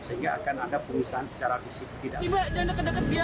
sehingga akan ada perusahaan secara fisik